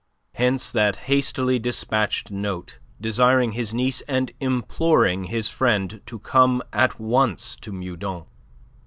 Hence that hastily dispatched note, desiring his niece and imploring his friend to come at once to Meudon.